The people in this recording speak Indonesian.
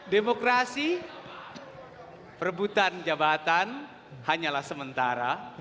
demokrasi perebutan jabatan hanyalah sementara